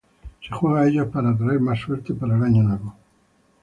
Se juega a ellos para atraer más suerte para el nuevo año.